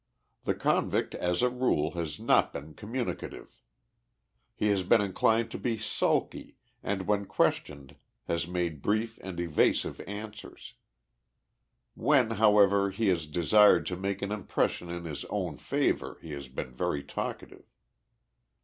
The convict, as a rule, has not been communicative. He has been inclined to be sulky and when questioned has made brief and evasive answers. When, however, he has desired to make an impression in his own favor he has been very talkative.